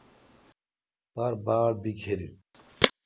کار باڑ بیکھر این۔